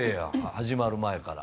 始まる前から。